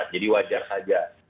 jadi wajar saja